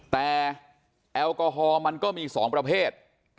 แต่แอลกอฮอล์มันก็มี๒ประเภท